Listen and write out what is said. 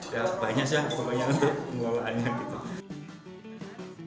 ya banyak sih banyak untuk pengolahannya gitu